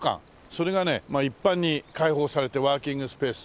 それがねまあ一般に開放されてワーキングスペースとか。